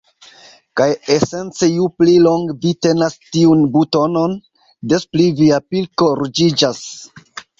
Kaj esence ju pli longe vi tenas tiun butonon, des pli via pilko ruĝiĝas.